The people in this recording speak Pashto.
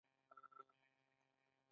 د کوانټم تونل اثر ذرات له خنډه تېروي.